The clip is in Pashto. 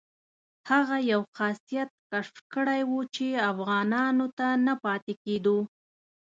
هغه یو خاصیت کشف کړی وو چې افغانانو ته نه پاتې کېدو.